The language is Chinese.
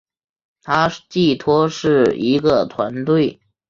它寄托是一个团队